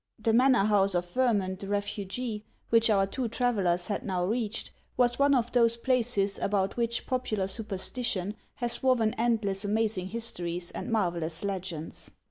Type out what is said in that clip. The manor house of Vermund the Refugee, which our two travellers had now reached, was one of those places about which popular superstition has woven endless amaz ing histories and marvellous legends.